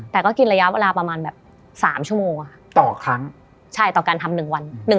แต่ก็กินระยะเวลาประมาณแบบ๓ชั่วโมงต่อครั้งใช่ต่อการทำ๑วัน